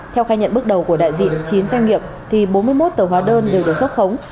theo khai nhận bước đầu của đại diện chín doanh nghiệp thì bốn mươi một tờ hóa đơn đều được xuất khống